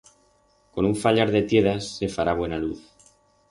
Con un fallar de tiedas se fará buena luz.